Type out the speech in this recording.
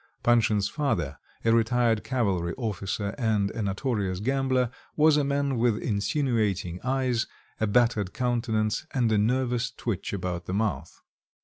Panshin's father, a retired cavalry officer and a notorious gambler, was a man with insinuating eyes, a battered countenance, and a nervous twitch about the mouth.